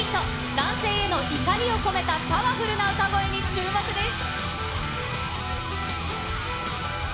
男性への怒りを込めたパワフルな歌声に注目です。